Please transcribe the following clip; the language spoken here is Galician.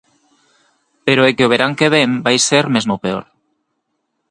Pero é que o verán que vén vai ser mesmo peor.